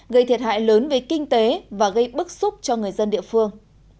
gây thiệt hại lớn về kinh tế và gây bức xúc cho người dân địa phương